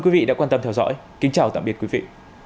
quý vị đã quan tâm theo dõi kính chào tạm biệt quý vị